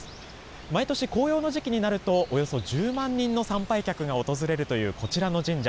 毎年紅葉の時期になると、およそ１０万人の参拝客が訪れるというこちらの神社。